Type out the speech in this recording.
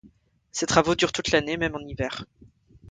Ces travaux durent toute l’année, même en hiver.